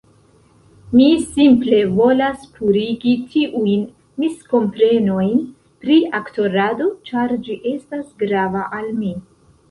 Mi simple volas purigi tiujn miskomprenojn pri aktorado, ĉar ĝi estas grava al mi.